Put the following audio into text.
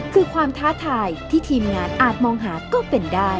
คือความท้าทายที่ทีมงานอาจมองหาก็เป็นได้